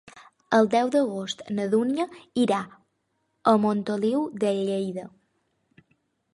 El deu d'agost na Dúnia irà a Montoliu de Lleida.